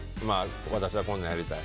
私はこんなんやりたい。